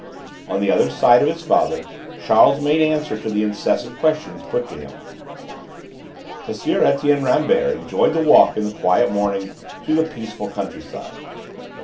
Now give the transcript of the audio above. On the other side of his father Charles made answer to the incessant questions put to him. M. Etienne Rambert enjoyed the walk in the quiet morning through the peaceful country side.